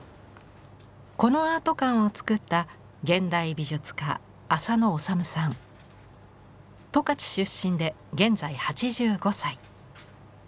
このアート館を作った十勝出身で現在８５歳。